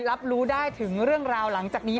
รับรู้ได้ถึงเรื่องราวหลังจากนี้